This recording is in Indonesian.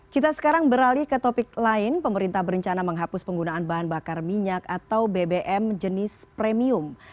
kita sekarang beralih ke topik lain pemerintah berencana menghapus penggunaan bahan bakar minyak atau bbm jenis premium